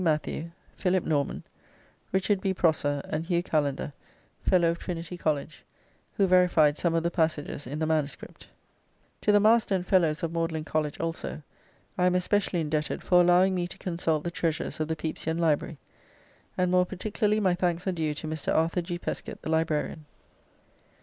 Matthew, Philip Norman, Richard B. Prosser, and Hugh Callendar, Fellow of Trinity College, who verified some of the passages in the manuscript. To the Master and Fellows of Magdalene College, also, I am especially indebted for allowing me to consult the treasures of the Pepysian Library, and more particularly my thanks are due to Mr. Arthur G. Peskett, the Librarian.